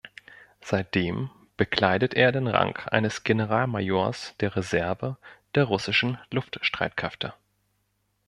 Seitdem bekleidet er den Rang eines Generalmajors der Reserve der russischen Luftstreitkräfte.